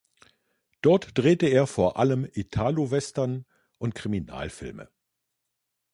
Dort drehte er vor allem Italowestern und Kriminalfilme.